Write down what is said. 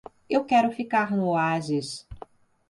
Eu quero ficar no oásis